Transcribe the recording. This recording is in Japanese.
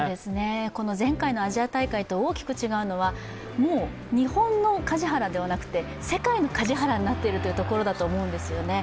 この前回のアジア大会と大きく違うのは日本の梶原ではなくて世界の梶原になっているというところだと思うんですよね。